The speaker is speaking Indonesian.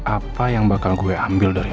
apa yang bakal gue ambil dari